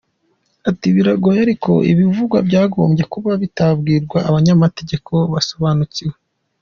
Ati biragoye ariko ibivugwa byagombye kuba bitabwirwa abanyamategeko basobanukiwe.